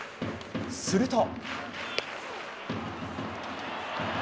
すると。